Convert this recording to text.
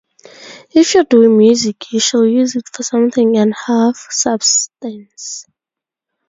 If you're doing music, you should use it for something and have substance.